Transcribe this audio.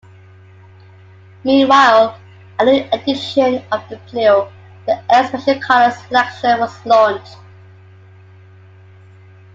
Meanwhile, a new edition of the Pleo, the L Special Color Selection, was launched.